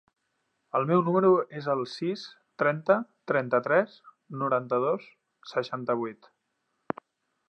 El meu número es el sis, trenta, trenta-tres, noranta-dos, seixanta-vuit.